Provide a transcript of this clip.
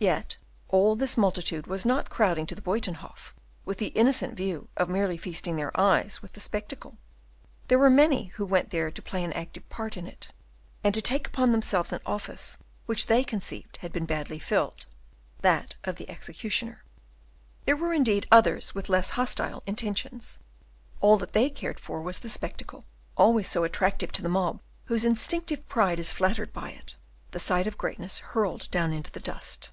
Yet all this multitude was not crowding to the Buytenhof with the innocent view of merely feasting their eyes with the spectacle; there were many who went there to play an active part in it, and to take upon themselves an office which they conceived had been badly filled, that of the executioner. There were, indeed, others with less hostile intentions. All that they cared for was the spectacle, always so attractive to the mob, whose instinctive pride is flattered by it, the sight of greatness hurled down into the dust.